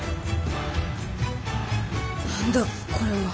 何だこれは。